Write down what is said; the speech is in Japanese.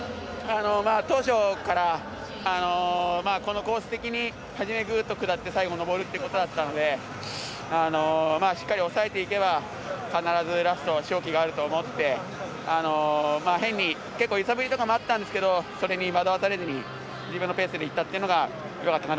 当初から、このコース的に初め、ぐーっと下って最後、上るってことだったのでしっかり抑えていけば必ずラスト勝機があると思って変に揺さぶりとかもあったんですけど惑わされずにいけたのがよかった。